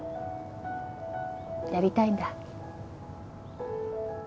やりたいんだ？